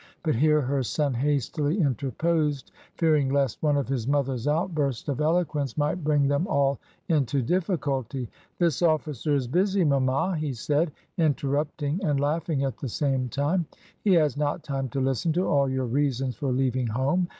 ." But here her son hastily interposed, fearing lest one of his mother's outbursts of eloquence might RED COMES INTO FASfflON. 2ig bring them all into difficulty: "This officer is busy, mamma," he said, interrupting and laughing at the same time; "he has not time to listen to all your reasons for leaving home.